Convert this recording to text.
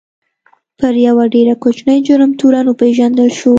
پر یوه ډېر کوچني جرم تورن وپېژندل شو.